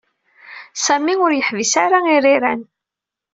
Sami ur yeḥbis ara iriran.